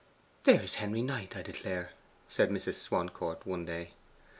'There is Henry Knight, I declare!' said Mrs. Swancourt one day.